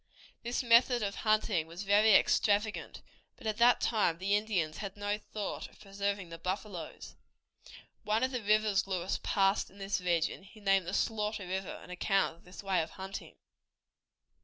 This method of hunting was very extravagant, but at that time the Indians had no thought of preserving the buffaloes. One of the rivers Lewis passed in this region he named the Slaughter River, on account of this way of hunting.